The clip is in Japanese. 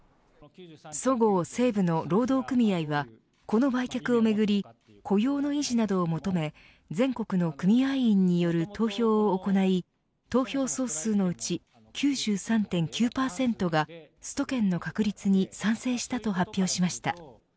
そごう・西武の労働組合はこの売却をめぐり雇用の維持などを求め全国の組合員による投票を行い投票総数のうち９３．９％がスト権の確立に賛成したと発表しました。